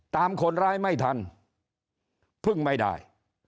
ตามคนร้ายไม่ทันพึ่งไม่ได้